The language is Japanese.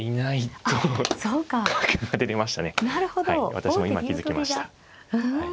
私も今気付きました。